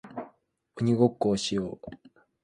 鬼ごっこをしよう